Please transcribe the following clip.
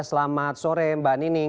selamat sore mbak nining